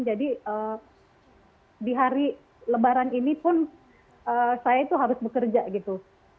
jadi di hari lebaran ini pun saya itu harus bekerja gitu